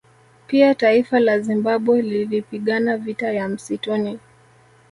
Pia taifa la Zimbabwe lilipigana vita ya Msituni